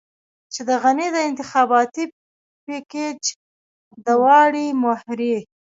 چې د غني د انتخاباتي پېکج دواړې مهرې.